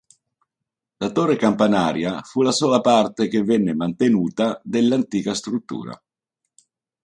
La torre campanaria fu la sola parte che venne mantenuta dell'antica struttura.